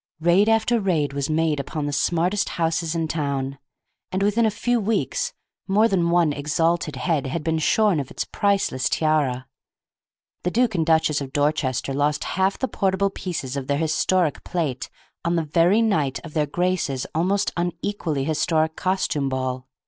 Raid after raid was made upon the smartest houses in town, and within a few weeks more than one exalted head had been shorn of its priceless tiara. The Duke and Duchess of Dorchester lost half the portable pieces of their historic plate on the very night of their Graces' almost equally historic costume ball.